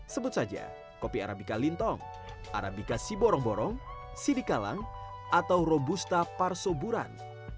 sebut saja kopi arabica lintong arabica siborong borong sidikalang atau robusta parsoburan